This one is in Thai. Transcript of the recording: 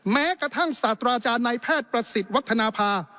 แม้กระทั่งศาสตราจารย์นายแพทย์ประสิทธิ์วัฒนภา